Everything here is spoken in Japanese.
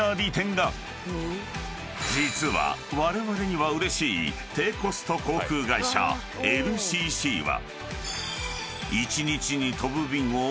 ［実はわれわれにはうれしい低コスト航空会社ＬＣＣは］